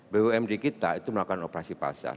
bumd kita itu melakukan operasi pasar